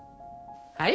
はい